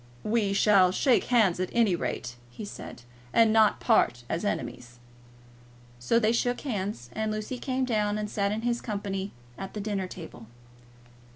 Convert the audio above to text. "We will shake hands, at any rate," he said, "and not part as enemies." So they shook hands, and Lucy came down and sat in his company at the dinner table.